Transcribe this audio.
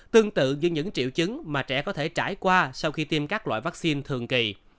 tương tự như những triệu chứng mà trẻ có thể trải qua sau khi tiêm các loại vaccine thường kỳ